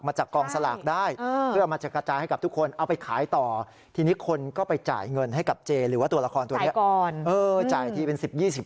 มาจากกองสลากได้เพื่อมาจากกระจายให้กับทุกคน